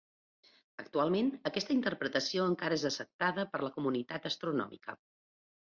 Actualment, aquesta interpretació encara és acceptada per la comunitat astronòmica.